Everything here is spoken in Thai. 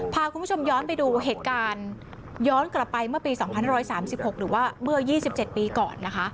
พาคุณผู้ชมย้อนไปดูเหตุการณ์ย้อนกลับไปเมื่อปี๒๑๓๖หรือว่าเมื่อ๒๗ปีก่อนนะคะ